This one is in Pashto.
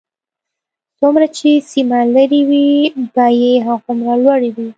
څومره چې سیمه لرې وي بیې هغومره لوړې وي